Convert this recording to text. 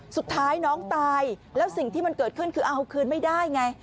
สุดท้ายน้องตายแล้วสิ่งที่มันเกิดขึ้นคือเอาคืนไม่ได้ไง